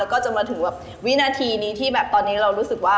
แล้วก็จะมาถึงวินาทีนี้ที่ตอนนี้เรารู้สึกว่า